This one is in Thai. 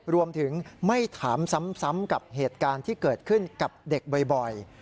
รวมถึงไม่ถามซ้ำกับเหตุการณ์ที่เกิดขึ้นกับเด็กบ่อย